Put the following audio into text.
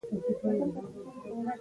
د رشخند او تمسخر په جامه کې نغښتې وي.